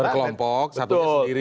berkelompok satunya sendiri